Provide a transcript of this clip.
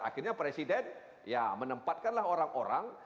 akhirnya presiden ya menempatkanlah orang orang